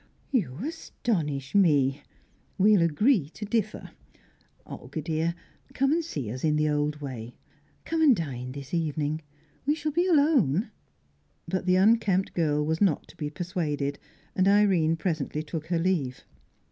"You astonish me. We'll agree to differ Olga dear, come and see us in the old way. Come and dine this evening; we shall be alone." But the unkempt girl was not to be persuaded, and Irene presently took her leave.